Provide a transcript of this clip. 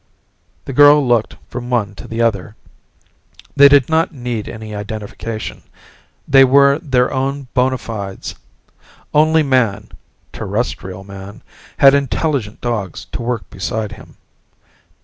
The girl looked from one to the other. They did not need any identification; they were their own bona fides. Only man Terrestrial Man had intelligent dogs to work beside him.